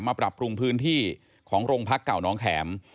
ปรับปรุงพื้นที่ของโรงพักเก่าน้องแข็ม